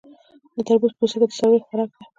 د تربوز پوستکی د څارویو خوراک دی.